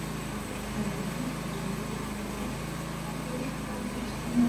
Hearne alimsindikiza Malkia Elizabeth wa pili na mumewe